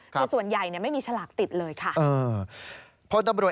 คือส่วนใหญ่ไม่มีฉลากติดเลยค่ะ